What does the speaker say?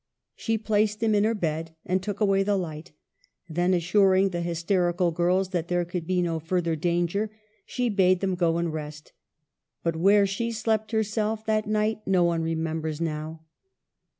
She placed him in her bed, and took away the light; then assuring the hysterical girls that there could be no further danger, she bade them go and rest — but where she slept herself that night no one remembers now.